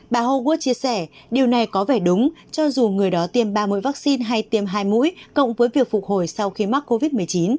bà huad chia sẻ điều này có vẻ đúng cho dù người đó tiêm ba mũi vaccine hay tiêm hai mũi cộng với việc phục hồi sau khi mắc covid một mươi chín